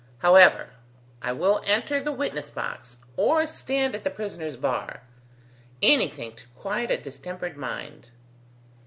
However, I will enter the witness box, or stand at the prisoner's bar! Anything to quiet a distempered mind."